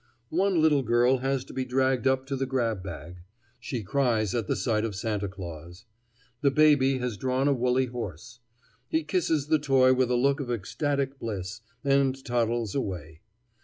One little girl has to be dragged up to the grab bag. She cries at the sight of Santa Claus. The baby has drawn a woolly horse. He kisses the toy with a look of ecstatic bliss, and toddles away.